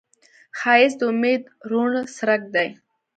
ښایست د امید روڼ څرک دی